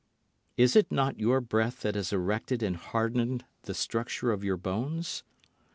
Is it not your breath that has erected and hardened the structure of your bones?